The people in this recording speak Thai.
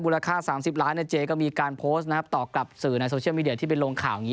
ราคา๓๐ล้านเจ๊ก็มีการโพสต์นะครับตอบกลับสื่อในโซเชียลมีเดียที่ไปลงข่าวอย่างนี้